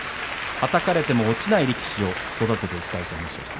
はたかれても落ちない力士を育てていきたいという話もしていました。